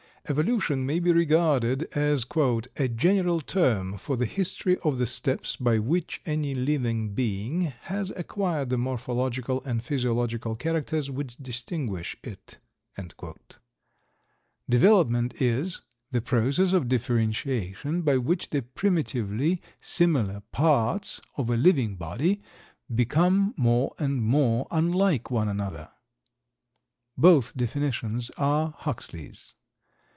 Evolution may be regarded as "a general term for the history of the steps by which any living being has acquired the morphological and physiological characters which distinguish it." Development is "the process of differentiation by which the primitively similar parts of a living body become more and more unlike one another." Both definitions are Huxley's.